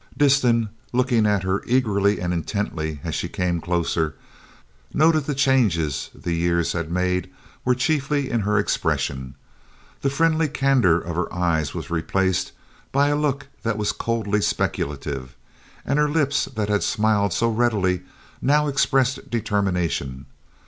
Disston looking at her eagerly and intently as she came closer noted that the changes the years had made were chiefly in her expression. The friendly candor of her eyes was replaced by a look that was coldly speculative, and her lips that had smiled so readily now expressed determination.